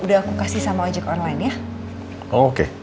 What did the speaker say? apa yang weber b owned